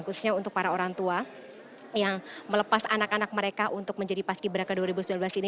khususnya untuk para orang tua yang melepas anak anak mereka untuk menjadi paski beraka dua ribu sembilan belas ini